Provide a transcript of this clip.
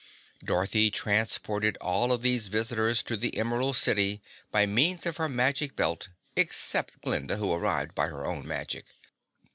Dorothy transported all of these visitors to the Emerald City by means of her Magic Belt, except Glinda, who arrived by her own magic.